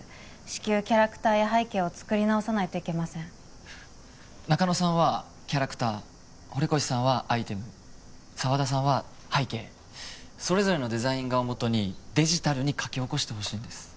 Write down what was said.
至急キャラクターや背景を作り直さないといけません中野さんはキャラクター堀越さんはアイテム沢田さんは背景それぞれのデザイン画をもとにデジタルに描き起こしてほしいんです